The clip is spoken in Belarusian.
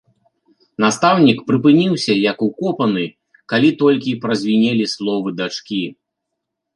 Настаўнік прыпыніўся як укопаны, калі толькі празвінелі словы дачкі.